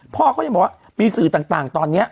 พ่อเขายังบอกว่ามีสื่อต่างตอนนี้